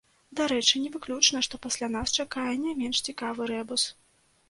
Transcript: Дарэчы, не выключана, што пасля нас чакае не менш цікавы рэбус.